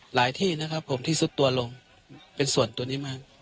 หลายที่ที่ซุดตัวลงเป็นส่วนตัวนี้มาก